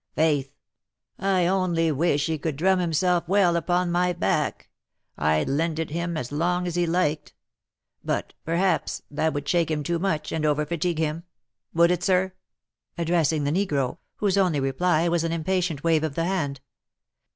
Faith, I only wish he could drum himself well upon my back; I'd lend it him as long as he liked. But, perhaps, that would shake him too much, and overfatigue him; would it, sir?" addressing the negro, whose only reply was an impatient wave of the hand.